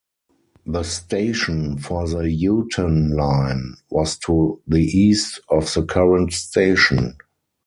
The station for the Hooton line was to the east of the current station.